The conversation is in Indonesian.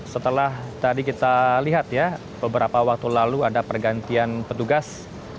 setelah tadi kita lihat ya beberapa waktu lalu ada pergantian petugas